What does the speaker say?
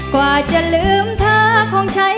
กว่าจะลืมเธอของฉัน